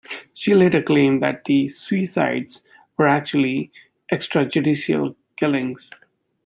She later claimed that the "suicides" were actually extrajudicial killings.